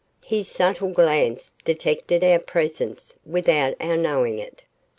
His subtle glance detected our presence without our knowing it.